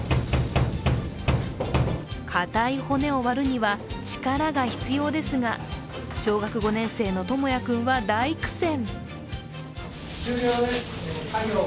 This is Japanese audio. かたい骨を割るには力が必要ですが小学５年生の智弥君は大苦戦。